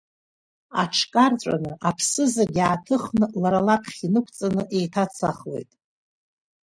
Аҽкарҵәаны, аԥсы зегьы ааҭыхны, лара лаԥхьа инықәҵаны, еиҭацахуеит.